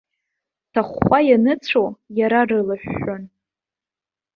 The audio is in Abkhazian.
Ҭахәхәа ианыцәо, иара рылаҳәҳәон.